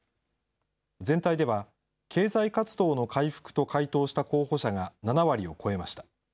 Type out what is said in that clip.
全体では、経済活動の回復と回答した候補者が７割を超えました。